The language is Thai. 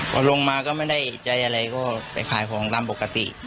พอลงมาก็ไม่ได้ใจอะไรก็ไปขายของตามปกติ